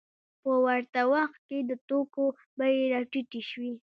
په ورته وخت کې د توکو بیې راټیټې شوې